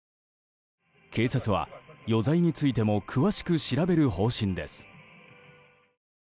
警察は、余罪についても詳しく調べる方針です。